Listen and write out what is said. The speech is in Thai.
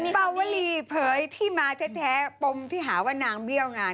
ปาวลีเผยที่มาแท้ปมที่หาว่านางเบี้ยวงาน